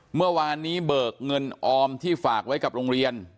เมื่อวานนี้เบิกเงินออมที่ฝากไว้กับโรงเรียน